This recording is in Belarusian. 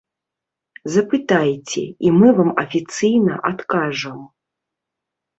Запытайце, і мы вам афіцыйна адкажам.